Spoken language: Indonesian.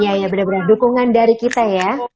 ya ya benar benar dukungan dari kita ya